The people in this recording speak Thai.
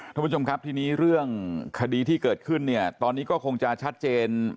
ท่านผู้ชมครับทีนี้เรื่องคดีที่เกิดขึ้นเนี่ยตอนนี้ก็คงจะชัดเจน